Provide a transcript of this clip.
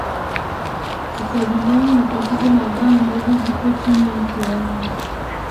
kukabiliana na tatizo la dawa ambazo zipo chini ya kiwango